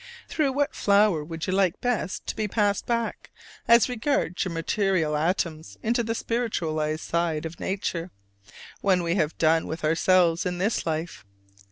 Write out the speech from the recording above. Through what flower would you best like to be passed back, as regards your material atoms, into the spiritualized side of nature, when we have done with ourselves in this life?